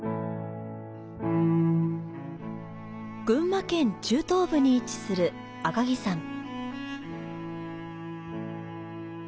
群馬県中東部に位置する赤城山。